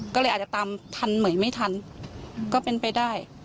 ก็เลยอาจจะตามทันเหมือนไม่ทันก็เป็นไปได้